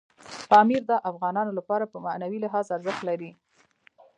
پامیر د افغانانو لپاره په معنوي لحاظ ارزښت لري.